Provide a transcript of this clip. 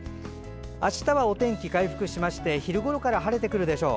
明日は天気が回復へ向かい昼ごろから晴れてくるでしょう。